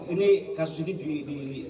ini kasus ini di